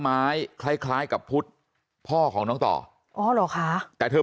ไม้คล้ายกับพุทธพ่อของน้อต่ออร่อยครับแต่เธอไม่ได้